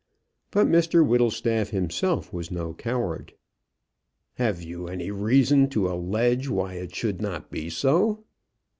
But Mr Whittlestaff himself was no coward. "Have you any reason to allege why it should not be so?"